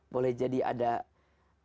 boleh jadi ada hati yang berharga atau tidak